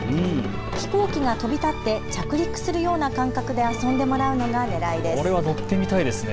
飛行機が飛び立って着陸するような感覚で遊んでもらうのがねらいです。